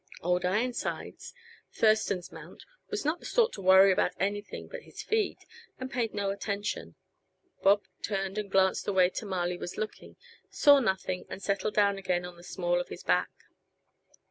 Old Ironsides, Thurston's mount, was not the sort to worry about anything but his feed, and paid no attention. Bob turned and glanced the way Tamale was looking; saw nothing, and settled down again on the small of his back.